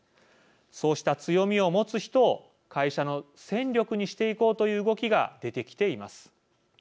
そうした強みを持つ人を会社の戦力にしていこうという動きが出てきています。